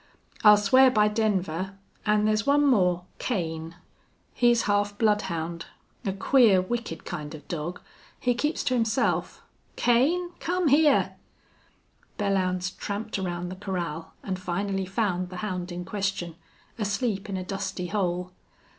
"I'll swear by Denver. An' there's one more Kane. He's half bloodhound, a queer, wicked kind of dog. He keeps to himself.... Kane! Come hyar!" Belllounds tramped around the corral, and finally found the hound in question, asleep in a dusty hole.